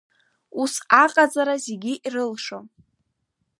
Ус аҟаҵара зегьы ирылшом.